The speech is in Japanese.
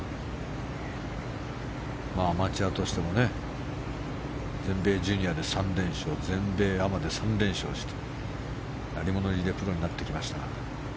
アマチュアとしても全米ジュニアで３連勝全米アマで３連勝して鳴り物入りでプロになってきました。